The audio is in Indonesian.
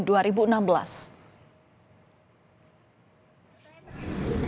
pengakuan suharsono berada di bandung